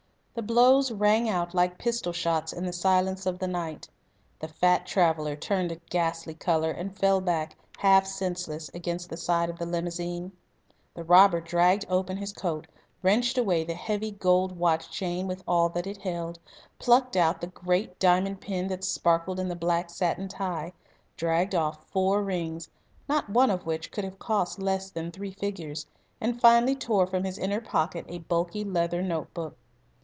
The blows rang out like pistol shots in the silence of the night. The fat traveller turned a ghastly colour and fell back half senseless against the side of the limousine. The robber dragged open his coat, wrenched away the heavy gold watch chain with all that it held, plucked out the great diamond pin that sparkled in the black satin tie, dragged off four rings not one of which could have cost less than three figures and finally tore from his inner pocket a bulky leather note book.